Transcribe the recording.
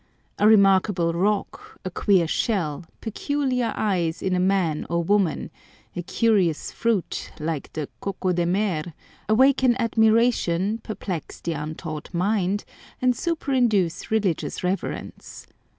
A remarkable rock, a queer shell, peculiar eyes in a man or woman, a curious fruit, like the coco de mer, awaken admiration, perplex the untaught mind, and superinduce religious reverence.